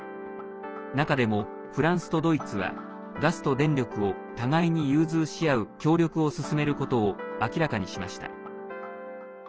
中でも、フランスとドイツはガスと電力を互いに融通し合う協力を進めることを明らかにしました。